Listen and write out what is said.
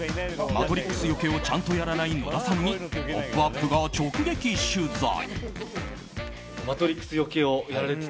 マトリックスよけをちゃんとやらない野田さんに「ポップＵＰ！」が直撃取材。